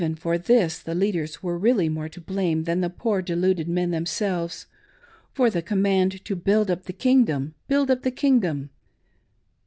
for this the leaders were really more to blame than the poor deluded men themselves ; for the com mand to " Build up the Kingdom !— build up the Kingdom